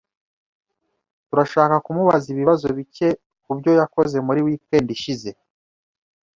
Turashaka kumubaza ibibazo bike kubyo yakoze muri weekend ishize.